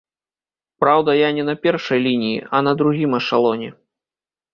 Праўда, я не на першай лініі, а на другім эшалоне.